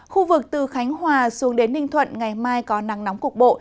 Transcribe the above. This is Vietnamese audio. khu vực từ khánh hòa xuống đến ninh thuận ngày mai có nắng nóng cục bộ